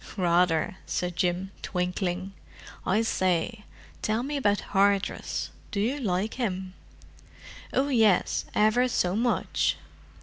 "Rather!" said Jim, twinkling. "I say, tell me about Hardress. Do you like him?" "Oh, yes, ever so much."